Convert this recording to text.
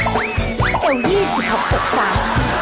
เอวยี่สิครับโอ้จ้า